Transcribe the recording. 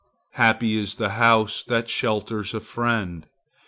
Happy is the house that shelters a friend!